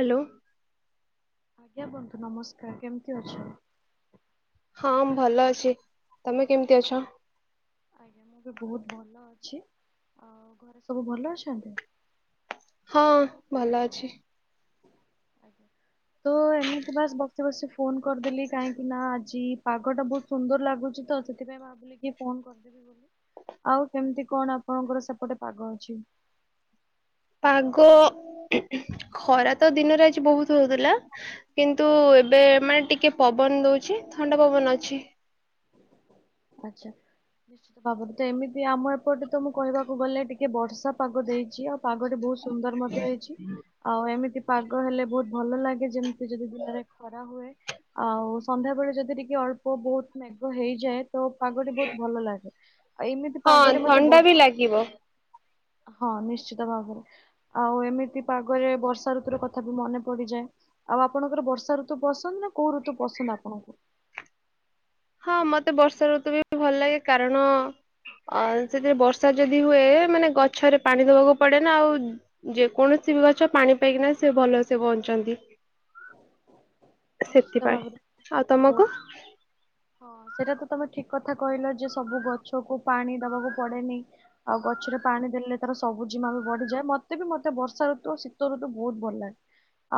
Hello. ଆଜ୍ଞା ବନ୍ଧୁ ନମସ୍କାର। କେମିତି ଅଛନ୍? ହଁ ଭଲ ଅଛି। ତମେ କେମିତି ଅଛ? ଆଜ୍ଞା ମୁଁ ବି ବହୁତ ଭଲ ଅଛି। ଆଉ ଘରେ ସବୁ ଭଲ ଅଛନ୍ତି। ହଁ ଭଲ ଅଛି। ତ ଏମିତି ବାସ ବସି ବସି ଫୋନ କରିଦେଲି। କାହିଁକି ନା ଆଜି ପାଗଟା ବହୁତ ସୁନ୍ଦର ଲାଗୁଛି ତ ସେଥିପାଇଁ ଭାବିଲିକି ଫୋନ କରିଦେବି ବୋଲି। ଆଉ କେମିତି କଣ ଆପଣଙ୍କର ସେପଟେ ପାଗ ଅଛି? ପାଗ ଖରା ତ ଦିନରେ ଆଜି ବହୁତ ହଉଥିଲା। କିନ୍ତୁ ଏବେ ମାନେ ଟିକେ ପବନ ଦଉଛି। ଥଣ୍ଡା ପବନ ଅଛି। ଆଚ୍ଛା। ନିଶ୍ଚିତ ଭାବରେ ତ ଏମିତି ଆମ ଏପଟେ ତ ମୁଁ କହିବାକୁ ଗଲେ ଟିକେ ବର୍ଷା ପାଗ ଦେଇଛି। ଆଉ ପାଗଟି ବହୁତ ସୁନ୍ଦର ମଧ୍ୟ ହେଇଛି। ଆଉ ଏମିତି ପାଗ ହେଲେ ବହୁତ ଭଲ ଲାଗେ। ଯେମିତି ଯଦି ଦିନରେ ଖରା ହୁଏ ଆଉ ସନ୍ଧ୍ୟା ବେଳେ ଯଦି ଟିକେ ଅଳ୍ପ ବହୁତ ମେଗ ହେଇଯାଏ। ତ ପାଗଟି ବହୁତ ଭଲ ଲାଗେ। ଆଉ ଏମିତି ପାଗରେ ମତେ ବ ଇଏ ବା। ହଁ ନିଶ୍ଚିତ ଭାବରେ ଆଉ ଏମିତି ପାଗରେ ବର୍ଷା ଋତୁର କଥା ବି ମନେ ପଡିଯାଏ ଆଉ ଆପଣଙ୍କର ବର୍ଷା ଋତୁ ପସନ୍ଦ ନା କୋଉ ଋତୁ ପସନ୍ଦ ଆପଣଙ୍କୁ। ହଁ ମତେ ବର୍ଷା ଋତୁ ବି ଭଲ ଲାଗେ। କାରଣ ଅ ସେଥିରେ ବର୍ଷା ଯଦି ହୁଏ। ମାନେ ଗଛରେ ପାଣି ଦବାକୁ ପଡେ ନା। ଆଉ ଯେକୌଣସି ବି ଗଛ ପାଣି ପାଇକିନା ସେ ଭଲସେ ବଞ୍ଚନ୍ତି। ନିଶ୍ଚିତ ସେଥିପାଇଁ। ଭାବରେ। ଆଉ ତମକୁ ବହୁତ ହଁ ସେଇଟା ତ ତମେ ଠିକ କଥା କହିଲ। ଯେ ସବୁ ଗଛକୁ ପାଣି ଦବାକୁ ପଡେନି। ଆଉ ଗଛରେ ପାଣି ଦେଲେ ତାର ସବୁଜିମା ବି ବଢିଯାଏ। ମତେ ବି ମତେ ବର୍ଷା ଋତୁ ଶୀତ ଋତୁ ବହୁତ ଭଲ ଲାଗେ।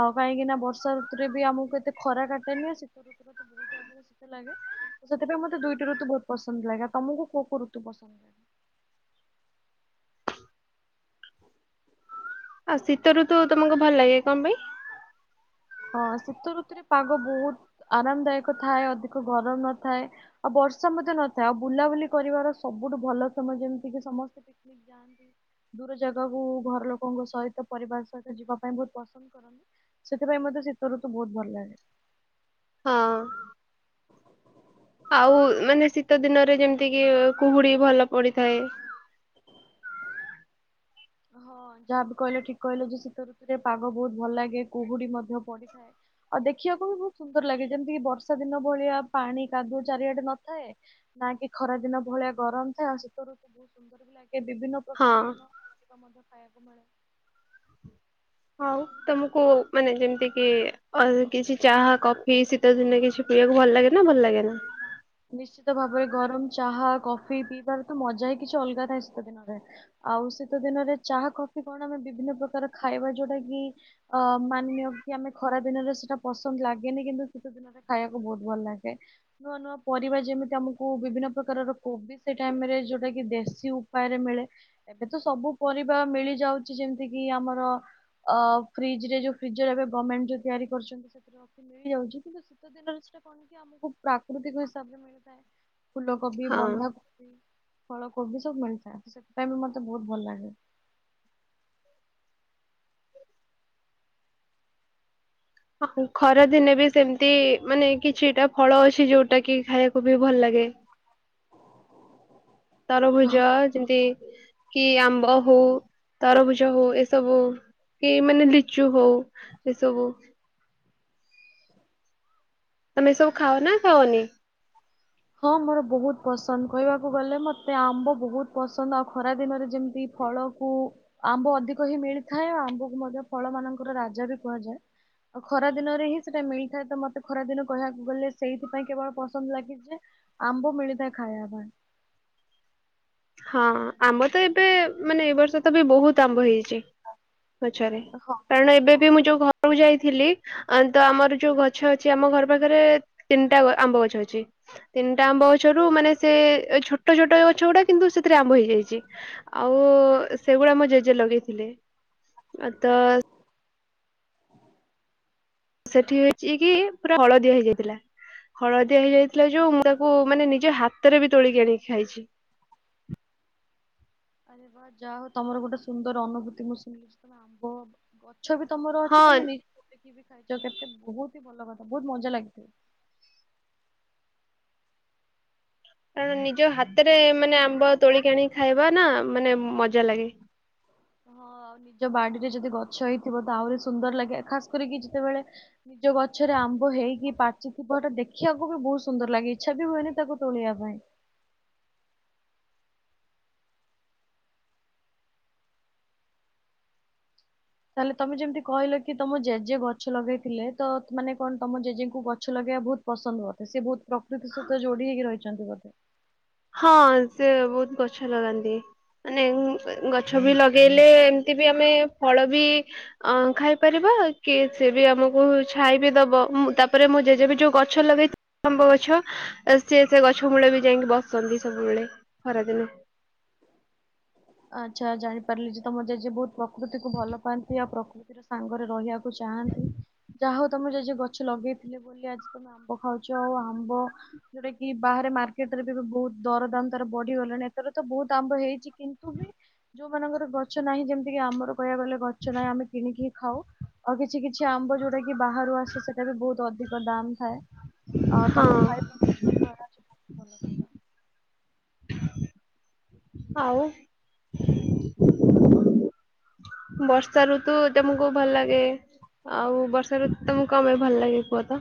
ଆଉ କାହିଁକି ନା ବର୍ଷାଋତୁରେ ବି ଆମକୁ ଏତେ ଖରା କାଟେନି। ଆ ଶୀତ ଋୁରେ ତ ବୋହୁ ବହୁତ ଅଧିକ ଶୀତ ଲାଗେ। ତ ସେଥିପାଇଁ ମତେ ଦୁଇଟି ଋତୁ ବହୁତ ପସନ୍ଦ ଲାଗେ। ତମକୁ କୋଉ କୋଉ ଋତୁ ପସନ୍ଦ ଲାଗେ? ଆଉ ଶୀତଋତୁ ତମକୁ ଭଲ ଲାଗେ କଣ ପାଇଁ? ହଁ ଶୀତ ଋତୁରେ ପାଗ ବହୁତ ଆରାମ ଦାୟକ ଥାଏ। ଅଧିକ ଗରମ ନଥାଏ। ଆଉ ବର୍ଷା ମଧ୍ୟ ନଥାଏ। ଆଉ ବୁଲାବୁଲି କରିବାର ସବୁଠୁ ଭଲ ସମୟ। ଯେମିତି କି ସମସ୍ତେ ପିକନିକ ଯାଆ ଦୂର ଜାଗାକୁ ଘର ଲୋକଙ୍କ ସହିତ ପରିବାର ସହିତ ଯିବା ପାଇଁ ବହୁତ ପସନ୍ଦ କରନ୍ତି। ସେଥିପାଇଁ ମୋତେ ଶୀତଋତୁ ବହୁତ ଭଲ ଲାଗେ। ହଁ। ଆଉ ମାନେ ଶୀତ ଦିନରେ ଯେମତି କିି କୁହୁଡି ଭଲ ପଡିଥାଏ। ହଁ ଯାହାବି କହିଲ ଠିକ କହିଲ। ଯେ ଶୀତ ଋତୁରେ ପାଗ ବହୁତ ଭଲ ଲାଗେ। କୁହୁଡି ମଧ୍ୟ ପଡିଥାଏ। ଆଉ ଦେଖିବାକୁ ବି ବହୁତ ସୁନ୍ଦର ଲାଗେ। ଯେମିତିକି ବର୍ଷା ଦିନ ଭଳିଆ ପାଣି କାଦୁଅ ଚାରିଆଡେ ନଥାଏ। ନା କି ଖରା ଦିନ ଭଳିଆ ଗରମ ଥାଏ। ଆଉ ଶୀତରୁ ବହୁତ ସୁନ୍ଦର ବି ଲାଗେ। ବିଭିନ୍ନ ସବୁ ହଁ। ପ୍ରକାର ନୂଆ ନୂଆ [unintelligible] ମଧ୍ୟ ଖାଇବାକୁ ମିଳେ। ହଉ ତମକୁ ମାନେ ଯେମିତି କି କିଛି ଚାହା କଫି ଶୀ ଶୀତ ଦିନେ କିଛି ପିଇବାକୁ ଭଲ ଲାଗେ ନା ଭଲ ଲାଗେନା। ନିଶ୍ଚିତ ଭାବରେ ଗରମ ଚାହା କଫି ପିଇବାର ତ ମଜା ହିଁ କିଛି ଅଲଗା ଥାଏ ଶୀତ ଦିନରେ। ଆଉ ଶୀତ ଦିନରେ ଚାହା, କଫି କଣ ଆମେ ବିଭିନ୍ନ ପ୍ରକାର ଖାଇବା ଯୋଉଟା କି। ଅ ମାନି ନିଅ କି ଆମେ ଖରା ଦିନରେ ସେଟା ପସନ୍ଦ ଲାଗେନି କିନ୍ତୁ ଶୀତ ଦିନ। ରେ ଖାଇବାକୁ ବହୁତ ଭଲ ଲାଗେ ନୂଆ ନୂଆ। ପରିବା ଯେମିତି ଆମକୁ ବିଭିନ୍ନ ପ୍ରକାରର କୋବି ସେ ଟାଇମରେ ଯୋଉଟା କି ଦେଶୀ ଉପାୟରେ ମିଳେ। ଏବେ ତ ସବୁ ପରିବା ମିଳି ଯାଉଛି ଯେମିତି କିି ଆମର। ଅ ଫ୍ରିଜ ରେ ଯୋଉ ଫ୍ରିଜର ଏବେ ଗମେଣ୍ଟ ଯୋଉ ତିଆରି କରିଛନ୍ତି ସେଥିରେ କଫି ମିଳିଯାଉଛି କିନ୍ତୁ ଶୀତ ଦିନରେ ସେଟା କଣ କି ଆମକୁ ପ୍ରାକୃତିକ ହିସାବରେ ମିଳୁଥାଏ ଫୁଲକୋବି, ହଁ। ବନ୍ଧାକ ବି ଫଳକୋବି ସବୁ ମିଳିଥାଏ ସେଥିପାଇଁ ବି ମତେ ବହୁତ ଭଲ ଲାଗେ। ଅ ହୁଁ ଖରାଦିନେ ବି ସେମିତି ମାନେ କିଛିଟା ଫଳ ଅଛି ଯୋଉଟା କି ଖାଇବାକୁ ବି ଭଲ ଲାଗେ। ତରଭୁଜ ଯେମିତି କି ଆମ୍ବ ହଉ ତରଭୁଜ ହଉ ଏସବୁ। କି ମାନେ ଲିଚୁ ହଉ ଏସବୁ। ତମେ ସବୁ ନିଶ୍ଚୟ ଖାଅ ନା ଖାଅନି? ହଁ ମୋର ବହୁତ ପସନ୍ଦ କହିବାକୁ ଗଲେ ମତେ ଆମ୍ବ ବହୁତ ପସନ୍ଦ ଆଉ ଖରା ଦିନରେ ଯେମିତି। ଫଳକୁ ଆମ୍ବ ଅଧିକ ହିଁ ମିଳିଥାଏ ଆମ୍ବକୁ ମଧ୍ୟ ଫଳ ମାନଙ୍କର ରାଜା ବି କୁହାଯାଏ। ଆଉ ଖରା ଦିନରେ ହିଁ ସେଟା ମିଳିଥାଏ ତ ମତେ ଖରା ଦିନ। କହିବାକୁ ଗଲେ ସେଇଥିପାଇଁ କେବଳ ପସନ୍ଦ ଲାଗେ ଯେ ଆମ୍ବ ମିଳିଥାଏ ଖାଇବା ପାଇଁ। ହଁ ଆମର ତ ଏବେ ମାନେ ଏ ବର୍ଷ ତ ବି ବହୁତ ଆମ୍ବ ହେଇଛି। ପଚାରେ ହଁ କାରଣ ଏବେ ବି ମୁଁ ଯୋଉ ଘରକୁ ଯାଇଥିଲି। ଆଁ ତ ଆମର ଯୋଉ ଗଛ ଅଛି ଆମ ଘର ପାଖରେ ତିନ ଟା ଗ ଆମ୍ବ ଗଛ ଅଛି। ତିନଟା ଆମ୍ବ ଗଛରୁ ମାନେ ସେ ଏ ଛୋଟ ଛୋଟ ଗଛ ଗୁଡା କିନ୍ତୁ ସେଥିରେ ଆମ୍ୱ ହେଇଯାଇଛି ଆଉ ସେଗୁଡା ମୋ ଜେଜେ ଲଗେଇଥିଲେ। ଆ ତ। ସେଠି ହେଇଛି କି ପୁରା ହଳଦିଆ ହେଇଯାଇଥିଲା। ହଳଦିଆ ହେଇଯାଇଥିଲା ଯୋଉ ମୁଁ ତାକୁ ମାନେ ନିଜେ ହାତରେ ବି ତୋଳିକି ଆଣିକି ଖାଇଛି। ଆରେ ୱା ଯାହା ହଉ ତମର ଗୋଟେ ସୁନ୍ଦର ଅନୁଭୂତି ମୁଁ ଶୁଣିଲି ଯେ ତମେ ଆମ୍ବ ବ ଗଛ ବି ତମର ଅଛି ହଁ ତମେ ନି ତୋଳିକି ବି ଖାଇଛ କେତେ ବହୁତ ହି ଭଲ କଥା ବହୁତ ମଜା ଲାଗିଥି। କାରଣ ନିଜ ହାତରେ ମାନେ ଆମ୍ବ ତୋଳିିକି ଆଣି ଖାଇବ ନା ଉଁ ମାନେ ଉଁ ମଜା ଲାଗେ। ହଁ ନିଜ ବାଡିରେ ଯଦି ଗଛ ହେଇଥିବ ତ ଆହୁରି ସୁନ୍ଦର ଲାଗେ ଖାସ କରିକି ଯେତେବେଳେ। ନିଜ ଗଛରେ ଆମ୍ବ ହେଇକି ପାଚିଥିବଟା ଦେଖିବାକୁ ବି ବହୁତ ସୁନ୍ଦର ଲାଗେ ଇଚ୍ଛା ବି ହୁଏନି ତାକୁ ତୋଳିବା ପାଇଁ। ତାହେଲେ ତମେ ଯେମିତି କହିଲ କି ତମ ଜେଜେ ଗଛ ଲଗେଇଥିଲେ ତ ତ୍ ମାନେ କଣ ତମ ଜେଜେଙ୍କୁ ଗଛ ଲଗେଇବା ବହୁତ ପସନ୍ଦ ବୋଧେ ସେ ବହୁତ ପ୍ରକୃତି ସହିତ ଯୋଡି ହେଇକି ରହିଛନ୍ତି ବୋଧେ? ହଁ ସେ ବହୁତ ଗଛ ଲଗାନ୍ତି। ମାନେ ଉଁ ହୁଁ ଗଛ ବି ଲଗେଇଲେ ଏମିତି ବି ଆମେ ଫଳ ବି। ଅଁ ଖାଇପାରିବା କି ସେ ବି ଆମକୁ ଛାଇ ବିି ଦବ ମୁଁ ତାପରେ ମୋ ଜେଜେ ବି ଯୋଉ ଗଛ ଲଗେଇ ଆମ୍ବ ଗଛ ଏ ସେ ସେ ଗଛ ମୂଳେ ବି ଯାଇଙ୍କି ବସନ୍ତି ସବୁବେଳେ ଖରାଦିନେ। ଆଚ୍ଛା ଜାଣି ପାରିଲି ଯେ ତମ ଜେଜେ ବହୁତ ପ୍ରକୃତିକୁୁ ଭଲ ପାଆନ୍ତି ଆଉ ପ୍ରକୃତିର ସାଙ୍ଗରେ ରହିବା କୁ ଚାହାନ୍ତି ଯାହା ହଉ ତମ ଜେଜେ ଗଛ ଲଗେଇଥିଲେ ବୋଲି ଆଜି ତମ ଆମ୍ବ ଖାଉଛ ଆଉ ଆମ୍ବ। ଯୋଉଟା କି ବାହାରେ ମାର୍କେଟ ରେ ବି ଏବେ ବହୁତ ଦରଦାମ ତାର ବଢିଗଲାଣି ଏଥର ତ ବହୁତ ଆମ୍ବ ହେଇଛି କି ତୁ ବି ଯୋଉମାନଙ୍କର ଗଛ ନାହିଁ ଯେମିତିକି ଆମର କହିବାକୁ ଗଲେ ଗଛ ନାହିଁ ଆମେ କିଣିକି ହିଁ ଖାଉ। ଆଉ କିଛି କିଛି ଆମ୍ବ ଯୋଉଟା କି ବାହାରୁ ଆସେ ସେଟା ବି ବହୁତ ଅଧିକ ଦାମ୍ ଥାଏ। ଅ ହଁ ତମେ ଖାଇପାରୁ [inaudible] ଘରେ ଅଛି ଭଲ କଥା। ଆଉ। ବର୍ଷା ଋତୁ ତେମୁକୁ ଭଲ ଲାଗେ। ଆଉ ବର୍ଷା ଋତୁ ତମକୁ କଣ ପାଇଁ ଭଲ ଲାଗେ କୁହ ତ?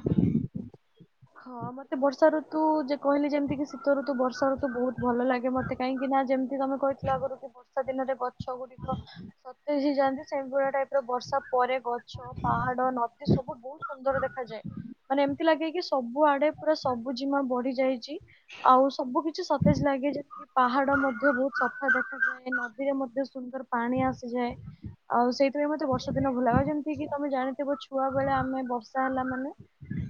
ହଁ ମତେ ବର୍ଷା ଋତୁ ଯେ କହିଲି ଯେମିତି କି ଶୀ ତ ଋତୁ ବର୍ଷା ଋତୁ ବହୁତ ଭଲ ଲାଗେ ମତେ କାହିଁକି ନା ଯେମିତି ତମେ କହିଥିଲ ଆଗରୁ କି ବର୍ଷା ଦିନରେ ବ ଗଛ ଗୁଡିକ ସତେଜ ହେଇ ଯାଆନ୍ତି ସେଙ୍ଗୁଳା ଟାଇପ୍ ର ବର୍ଷା ପରେ, ଗଛ, ପାହାଡ, ନଦୀ ସବୁ ବହୁତ ସୁନ୍ଦର ଦେଖାଯାଏ। ମାନେ ଏମିତି ଲାଗେ କି, ସବୁ ଆଡେ ପୁରା ସବୁ ଜିମା ବଢି ଯାଇଛି। ଆଉ, ସବୁ କିଛି ସତେଜ ଲାଗେ। ଯେମିତି ପାହାଡ ମଧ୍ୟ ବହୁତ ସଫା ଦେଖାଜା ଯାଏ ନଦୀରେ ମଧ୍ୟ ସୁନ୍ଦର ପାଣି ଆସିଯାଏ। ଆଉ, ସେଇଥିପାଇଁ ମତେ ବର୍ଷା ଦିନ ଭଲାଗେ। ଆଉ ଯେମିତି କିି ତମେ ଜାଣିଥିବ, ଛୁଆ ବେଳେ ଆମେ ବର୍ଷା ହେଲା ମାନେ,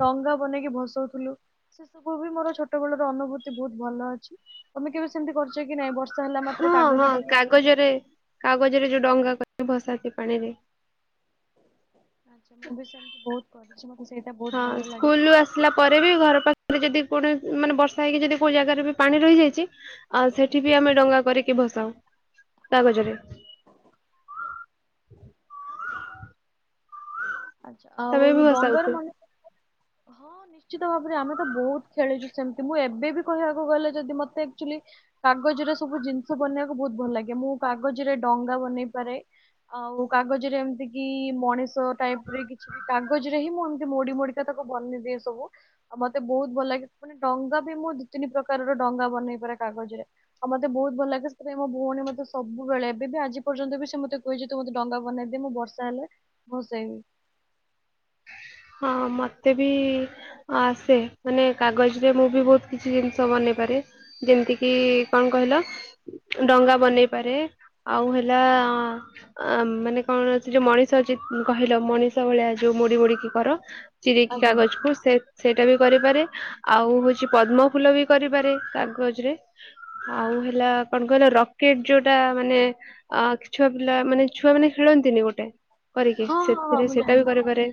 ଡଙ୍ଗା ବନେଇକି ଭସଉଥିଲୁ। ସେ ସବୁ ବି ମୋର ଛୋଟ ବେଳ ର ଅନୁଭୂତି ବହୁତ ଭଲ ଅଛି। ତମେ କେବେ ସେମିତି କରିଛ କି ନାଇଁ ବର୍ଷ ହଁ, ହଁ କାଗଜରେ କାଗଜରେ, ଯୋଉ ଡଙ୍ଗା କ [inaudible] କି ଭସାନ୍ତି ପାଣିରେ। ଆଛା, ମୁଁ ବି ସେମତି ବହୁତ କରିଛି। ମତେ ସେଇଟା ବହୁତ ହଁ ଭଲ ଲାଗେ। ସ୍କୁଲରୁ ଆସିଲା ପରେ ବି, ଘର ପାଖରେ ଯଦି କୌଣସି ମାନେ ବର୍ଷା ହେଇକି ଯଦି କୋଉ ଜାଗାରେ ବି ପାଣି ରହିଯାଇଛି! ଆଉ, ସେଠିବି ଆମେ ଡଙ୍ଗା କରିକି ଭସାଉ କାଗଜରେ। ଆ୍ଛା, ଆଉ ତମେ ବି ଡଙ୍ଗାର ଭସାଉଛ ମ [inaudible] ହଁ ନି ନିଶ୍ଚିତ ଭାବରେ, ଆମେ ତ ବହୁତ ଖେଳିଛୁ ସେମିତି ମୁଁ ଏବେ ବି କହିବାକୁ ଗଲେ, ଯଦି ମତେ ଆକ୍ଚୁଲି କାଗଜରେ ସବୁ ଜିନିଷ ବନେଇବାକୁ ବହୁତ ଭଲ ଲାଗେ। ମୁଁ କାଗଜରେ ଡଙ୍ଗା ବନେଇ ପାରେ। ଆଉ, କାଗଜରେ ଏମିତି କି ମଣିଷ ଟାଇପ୍ ରେ କିଛି ବି କାଗଜରେ ହି ମୁଁ, ଏମତି ମୋଡି ମୋଡିକା ତାକୁ ବନେ ଦିଏ ସବୁ। ଆଉ, ମତେ ବହୁତ ଭଲ ଲାଗେ। ମାନେ ଡଙ୍ଗା ବି ମୁଁ, ଦି ତିନି ପ୍ରକାରର ଡଙ୍ଗା ବନେଇ ପାରେ କାଗଜ ରେ। ଆଉ, ମତେ ବହୁତ ଭଲ ଲାଗେ। ସେଥିପାଇଁ ମୋ ଭଉଣୀ ମତେ ସବୁବେଳେ, ଏବେ ବି ଆଜି ପର୍ଯ୍ୟନ୍ତ ବି, ସେ ମତେ କହୁଛି ତୁ ମତେ ଡଙ୍ଗା ବନେଇଦେ। ମୁଁ ବର୍ଷା ହେଲେ ଭସେଇବି। ହଁ, ମତେ ବି ଆସେ, ମାନେ କାଗଜରେ ମୁଁ ବି ବହୁତ କିଛି ଜିନିଷ ବନେଇ ପାରେ। ଯେମିତି କିି-ଇ କଣ କହିଲ? ଡଙ୍ଗା ବନେଇ ପାରେ। ଆଉ ହେଲା-ଆ ଅ, ମାନେ କଣ? ସେ ଯୋଉ ମଣିଷ ଅଛି କହିଲ, ମଣିଷ ଭଳିଆ ଯୋଉ ମୋଡ଼ି ମୋଡ଼ିକି କର। ଚିରିକି ଆଜ୍ଞା କାଗଜକୁୁ ସେ ସେଇଟା ବି କରିପାରେ। ଆଉ, ହଉଛି ପଦ୍ମ ଫୁଲ ବି କରିପାରେ କାଗଜରେ। ଆଉ ହେଲା କଣ କହିଲ? ରକେଟ୍ ଯୋଉଟା ମାନେ ଅ ଛୁଆ ପିଲାମାନେ ଛୁଆମାନେ ଖେଳନ୍ତିନି ଗୋଟେ କରିକି, ହଁ ହଁ ହଁ ସେଥିରେ ମୁଁ ସେଇଟା ଜାଣିଲି ବି କରିପାରେ।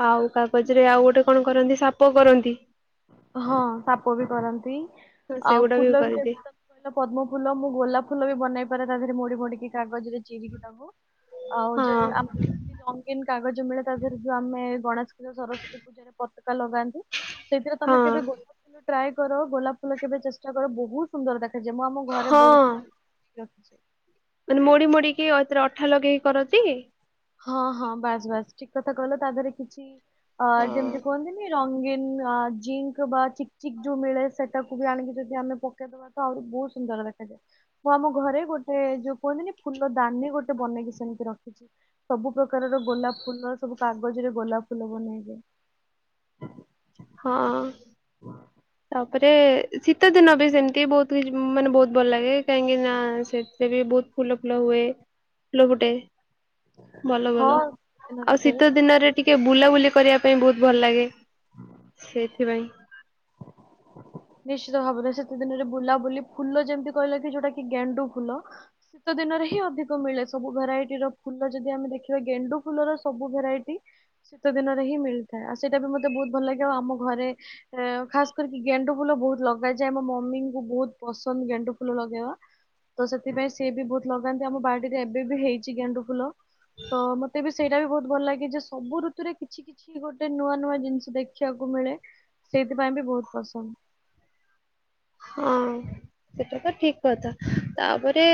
ଆଉ, କାଗଜରେ ଆଉ ଗୋଟେ କଣ କରନ୍ତି? ସାପ କରନ୍ତି। ହଁ, ସାପ ବି କରନ୍ତି। ଆଉ ସେଗୁଡା ଫୁଲ ବି କରିଦିଏ ପଦ୍ମ ଫୁଲ, ମୁଁ ଗୋଲାପ ଫୁଲ, ବି ବନେଇ ପାରେ, ତା ଦେହରେ ମୋଡି ମୋଡିକି କାଗଜରେ ଚିରିକି ତାକୁ ଆଉ, ଯୋଉ ହଁ ଆମ୍ ରଙ୍ଗୀନ୍ କାଗଜ ମିଳେ ତା' ଦେହରେ ଯୋଉ, ଆମେ ଗଣେଶ ପୂଜା, ସରସ୍ଵତୀ ପୂଜାରେ ପତକା ଲଗାନ୍ତି। ସେଥିରେ ତମେ ହଁ କେବେ ଗୋଲାପ ଫୁଲ ଟ୍ରାଏ କର। ଗୋଲାପ ଫୁଲ କେବେ ଚେଷ୍ଟା କର, ବହୁତ ସୁନ୍ଦର ଦେଖାଯାଏ। ମୁଁ ଆମ ଘରେ ହଁ ବହୁତ୍ ରଖିଛି। ମାନେ, ମୋଡି ମୋଡିକି ଅଥିରେ ଅଠା ଲଗେଇକି କରନ୍ତି। ହଁ, ହଁ, ବାସ୍ ବାସ୍ ଠିକ୍ କଥା କହିଲ। ତା' ଦେହରେ କିଛି ଅ ଯେମିତି କୁହନ୍ତିନି, ରଙ୍ଗୀନ ଅ ଜିଙ୍କ୍ ବା ଚିକ୍ ଚିକ୍ ଯୋଉ ମିଳେ। ସେଟାକୁ ବି ଆଣିକି ଯଦି ଆମେ ପକେଇଦବା ତ ଆହୁରି ବହୁତ ସୁନ୍ଦର ଦେଖାଯାଏ। ମୁଁ ଆମ ଘରେ ଗୋଟେ ଯୋଉ କୁହନ୍ତିନି, ଫୁଲ ଦାନି ଗୋଟେ ବନେଇକି ସେମିତି ରଖିଛି। ସବୁ ପ୍ରକାରର ଗୋଲାପ ଫୁଲ, ସବୁ କାଗଜରେ ଗୋଲାପ ଫୁଲ ବନେଇବେ। ହଁ। ତା'ପରେ ଶୀତ ଦିନ ବି ସେମିତି, ବହୁତ କିଛି ମାନେ ବହୁତ ଭଲ ଲାଗେ। କାହିଁକି ନା ସେଥିରେ ବି ବହୁତ ଫୁଲ ଫୁଲ ହୁଏ। ଫୁଲ ଗୋଟେ ଭଲ ହଁ ଭଲ ଦିନରେ ଆଉ, ବହୁତ ଶୀତ ଦିନରେ ଟିକେ ବୁଲାବୁଲି କରିବା ପାଇଁ ବହୁତ ଭଲ ଲାଗେ, ସେଥିପାଇଁ। ନିଶ୍ଚିତ ଭାବରେ, ଶୀତ ଦିନରେ ବୁଲାବୁଲି, ଫୁଲ ଯେମିତି କହିଲ କି ଯୋଉଟା କି ଗେଣ୍ଡୁ ଫୁଲ ଶୀତ ଦିନରେ ହିଁ ଅଧିକ ମିଳେ ସବୁ ଭେରାଇଟିର ଫୁଲ। ଯଦି ଆମେ ଦେଖିବା ଗେଣ୍ଡୁ ଫୁଲର ସବୁ ଭେରାଇଟି ଶୀତ ଦିନରେ ହିଁ ମିଳିଥାଏ। ଆଉ, ସେଇଟା ବି ମତେ ବହୁତ ଭଲ ଲାଗେ। ଆଉ, ଆମ ଘରେ-ଏ ଖାସ କରିକି ଗେଣ୍ଡୁ ଫୁଲ ବହୁତ୍ ଲଗାଯାଏ। ମୋ ମମିଙ୍କୁ ବହୁତ୍ ପସନ୍ଦ ଗେଣ୍ଡୁ ଫୁଲ ଲଗେଇବା। ତ ସେଥିପାଇଁ ସିଏ ବି ବହୁତ ଲଗାନ୍ତି। ଆମ ବାଡ଼ିରେ ଏବେ ବି ହେଇଛି ଗେଣ୍ଡୁ ଫୁଲ। ତ ମତେ ବି ସେଇଟା ବି ବହୁତ ଭଲ ଲାଗେ ଯେ ସବୁ ଋତୁରେ କିଛି କି କିଛି ଗୋଟେ ନୂଆ ନୂଆ ଜିନିଷ ଦେଖିବାକୁ ମିଳେ ସେଇଥିପାଇଁ ବି ବହୁତ ପସନ୍ଦ। ହଁ। ସେଇଟା ତ ଠିକ କଥା ତାପରେ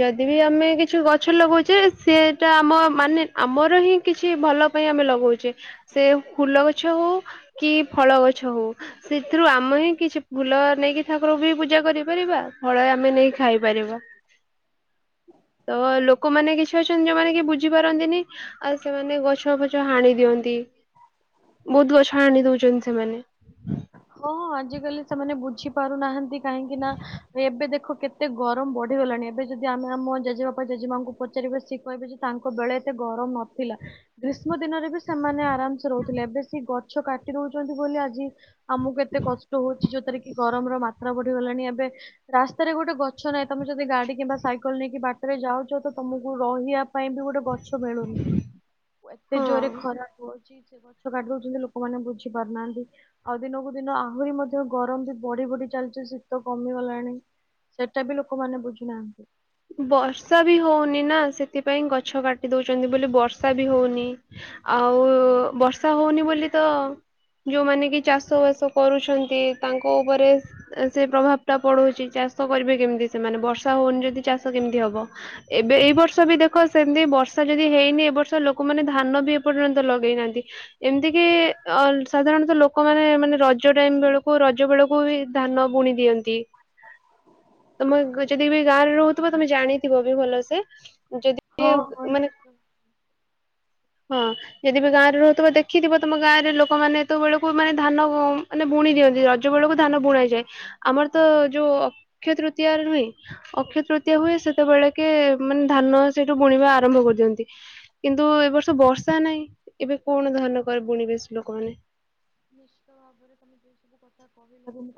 ଯଦି ବି ଆମେ କିଛି ଗଛ ଲଗାଉଛେ ସେଟା ଆମ ମାନେ ଆମର ହିଁ କିଛି ଭଲ ପାଇଁ ଆମେ ଲଗଉଛେ ସେ ଫୁଲ ଗଛ ହଉ କି ଫଳ ଗଛ ହଉ ସେଥିରୁ ଆମେ ହିଁ କିଛି ଫୁଲ ନେଇକି ଠାରଙ୍କୁ ବି ପୂଜା କରିପାରିବା ଫଳ ଆମେ ନେଇକି ଖାଇପାରିବା। ତ ଲୋକମାନେ କିଛି ଅଛନ୍ତି ଯୋଉମାନେ କି ବୁଝିପାରନ୍ତିନି ଆଉ ସେମାନେ ଗଛ ଫଛ ହାଣି ଦିଅନ୍ତି ବହୁତ ଗଛ ହାଣି ଦଉଛନ୍ତି ସେମାନେ ହଁ ଆଜିକାଲି ସେମାନେ ବୁଝି ପାରୁନାହାନ୍ତି କାହିଁକି ନା ଏବେ ଦେଖ କେ ଏତେ ଗରମ ବଢ଼ିଗଲାଣି ଏବେ ଯଦି ଆମେ ଆମ ଜେଜେବାପା ଜେଜେମାଆଙ୍କୁ ପଚାରିବା ସିଏ କହିବେ ଯେ ତାଙ୍କ ବେଳେ ଏତେ ଗରମ ନ ଥିଲା। ଗ୍ରୀଷ୍ମ ଦିନରେ ବି ସେମାନେ ଆରାମସେ ରହୁଥିଲେ। ଏବେ ସେ ଗଛ କାଟି ଦଉଛନ୍ତି ବୋଲି ଆଜି ଆମକୁ ଏତେ କଷ୍ଟ ହଉଛି ଯୋଉଥିରେ କି ଗରମର ମାତ୍ରା ବଢିଗଲାଣି ଏବେ। ରାସ୍ତାରେ ଗୋଟେ ଗଛ ନାହିଁ ତମେ ଯଦି ଗାଡି କିମ୍ବା ସାଇକେଲ ନେଇକି ବାଟରେ ଯାଉଛ ତମକୁ ରହିବା ପାଇଁ ବି ଗୋଟେ ଗଛ ମିଳୁନି ଏତେ ହଁ ଜୋରେ ଖରା ଗଛ କାଟି ଦଉଛନ୍ତି ଲୋକମାନେ ବୁଝି ପାରୁନାହାନ୍ତି। ଆଉ ଦିନକୁ ଦିନ ଆହୁରି ମଧ୍ୟ ଗରମ ବି ବଢି ବଢି ଚାଲିଛି ଶୀତ କମିଗଲାଣି। ସେଇଟା ବି ଲୋକମାନେ ବୁଝୁନାହାନ୍ତି। ବର୍ଷା ବି ହଉନି ନା ସେଥିପାଇଁ ଗଛ କାଟି ଦଉଛନ୍ତି ବୋଲି ବର୍ଷା ବି ହଉନି। ଆଉ ବର୍ଷା ହଉନି ବୋଲି ତ ଯୋଉମାନେ କି ଚାଷ ବାସ କରୁଛନ୍ତି ତାଙ୍କ ଉପରେ ସେ ପ୍ରଭାବ ଟା ପଡୁଛି ଚାଷ କରିବେ କେମିତି ସେମାନେ ବର୍ଷା ହଉନି ଯଦି ଚାଷ କେମିତି ହବ। ଏବେ ଏଇ ବର୍ଷ ବି ଦେଖ ସେମତି ବର୍ଷା ଯଦି ହେଇନି ଏ ବର୍ଷ ଲୋକମାନେ ଧାନ ବି ଏପର୍ଯ୍ୟନ୍ତ ଲଗେଇନାହାନ୍ତି। ଏମିତି କି ଅ ସାଧାରଣତଃ ଲୋକମାନେ ମାନେ ରଜ ଟାଇମ ବେଳକୁ ରଜ ବେଳକୁ କୁ ବି ଧାନ ବୁଣି ଦିଅନ୍ତି। ତମେ ଯଦି ବି ଗାଁରେ ରହୁ ଥିବ ତମେ ଜାଣିଥିବ ବି ଭଲ ସେ ହଁ ଯଦି ହଁ ମାନେ ନିଶ୍ଚିତ ହଁ। ଯଦି ବି ଗାଁରେ ରହୁଥିବ ଦେଖିଥିବ ତମ ଗାଁରେ ଲୋକମାନେ ଏତୋବେଳକୁ ମାନେ ଧାନ ମାନେ ବୁଣି ଦିଅନ୍ତି। ରଜ ରଜ ବେଳକୁ ଧାନ ବୁଣା ଯାଏ ଆମର ତ ଯୋଉ ଅକ୍ଷୟ ତୃତୀୟ ନୁହେଁ ଅକ୍ଷ ଭାବରେ ତୃତୀୟା ହଁ, ହୁଏ ସେତେବେଳେ କେ ମାନେ ଧାନ ସେଇଠୁ ବୁଣିବା ଆରମ୍ଭ କରିଦିଅନ୍ତି। କିନ୍ତୁ ଏ ବର୍ଷ ବର୍ଷା ନାହିଁ ଏବେ କଣ ଧାନ ବୁଣିବେ ସେ ଲୋକମାନେ। ନିଶ୍ଚିତ ଭାବରେ ତମେ ଯଉ ସବୁ କଥା କହିଲ